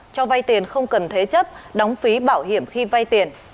cho vay tiền không cần thế chấp đóng phí bảo hiểm khi vay tiền